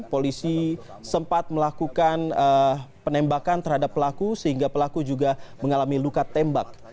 polisi sempat melakukan penembakan terhadap pelaku sehingga pelaku juga mengalami luka tembak